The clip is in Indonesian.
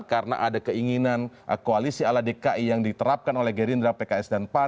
karena ada keinginan koalisi ala dki yang diterapkan oleh gerindra pks dan pan